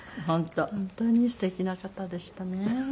本当にすてきな方でしたね。